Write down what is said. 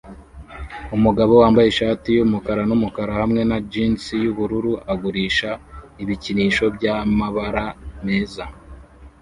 Umugabo wambaye ishati yumukara numukara hamwe na jans yubururu agurisha ibikinisho byamabara meza